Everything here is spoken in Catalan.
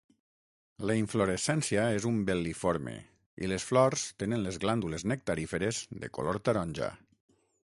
La inflorescència és umbel·liforme i les flors tenen les glàndules nectaríferes de color taronja.